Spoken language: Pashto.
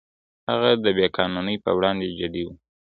هغه د بې قانونۍ پر وړاندې جدي و.